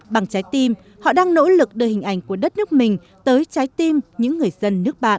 bằng trái tim họ đang nỗ lực đưa hình ảnh của đất nước mình tới trái tim những người dân nước bạn